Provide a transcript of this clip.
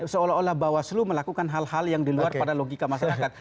seolah olah bawaslu melakukan hal hal yang di luar pada logika masyarakat